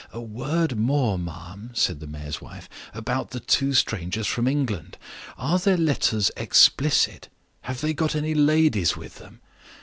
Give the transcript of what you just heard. "A word more, ma'am," said the mayor's wife, "about the two strangers from England. Are their letters explicit? Have they got any ladies with them?"